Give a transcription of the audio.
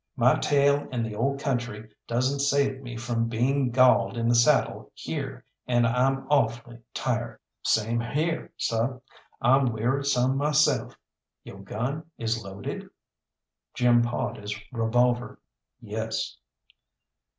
My tail in the old country doesn't save me from being galled in the saddle here, and I'm awfully tired." "Same here, seh. I'm weary some myself. Yo' gun is loaded?" Jim pawed his revolver. "Yes."